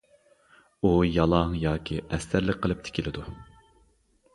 ئۇ، يالاڭ ياكى ئەستەرلىك قىلىپ تىكىلىدۇ.